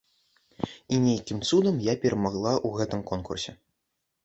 І нейкім цудам я перамагла ў гэтым конкурсе.